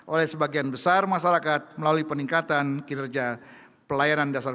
oleh sebagian besar masyarakat melalui peningkatan kinerja pelayanan dasar